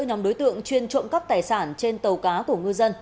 nhóm đối tượng chuyên trộm cắp tài sản trên tàu cá của ngư dân